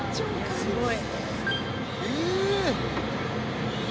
すごい！